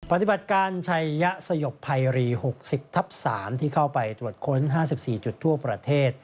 ปฏิบัติการชัยยะสยบภัยรี๖๐ทับ๓ที่เข้าไปตรวจค้น๕๔จุดทั่วประเทศ